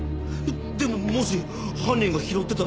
でももし犯人が拾ってたら？